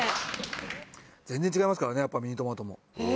全然違いますからねミニトマトも。